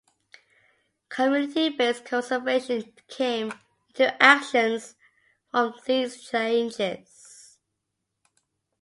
Community-based conservation came into action from these changes.